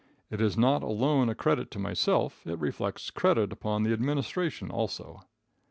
It is not alone a credit to myself, It reflects credit upon the administration also.